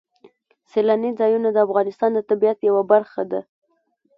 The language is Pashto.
سیلاني ځایونه د افغانستان د طبیعت یوه برخه ده.